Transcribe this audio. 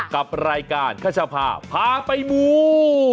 กับรายการข้าจะพาพาไปหมู่